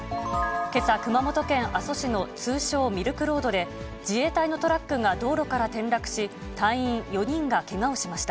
けさ、熊本県阿蘇市の通称ミルクロードで、自衛隊のトラックが道路から転落し、隊員４人がけがをしました。